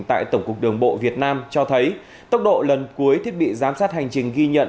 tại tổng cục đường bộ việt nam cho thấy tốc độ lần cuối thiết bị giám sát hành trình ghi nhận